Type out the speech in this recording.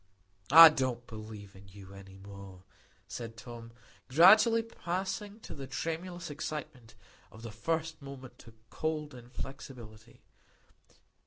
"I can't believe in you any more," said Tom, gradually passing from the tremulous excitement of the first moment to cold inflexibility.